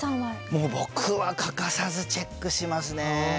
もう僕は欠かさずチェックしますね。